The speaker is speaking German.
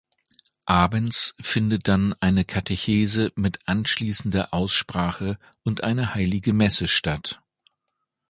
Abends finde dann eine Katechese mit anschließender Aussprache und eine heilige Messe statt.